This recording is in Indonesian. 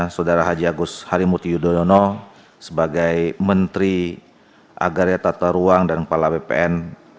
saudara haji agus harimurti yudhoyono sebagai menteri agraria tata ruang dan kepala bpn